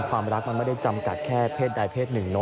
ความรักมันไม่ได้จำกัดแค่เพศใดเพศหนึ่ง